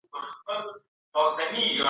عدالت باید د ټولنې په هره برخه کې وي.